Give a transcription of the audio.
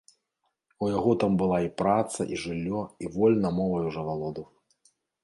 У яго там і праца была, і жыллё, і вольна мовай ужо валодаў.